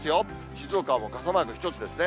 静岡も傘マーク１つですね。